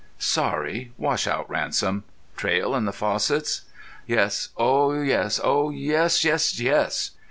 "Sorry. Wash out Ransom. Traill and the Fossetts?" "Yes. Oh yes. Oh yes, yes, yes."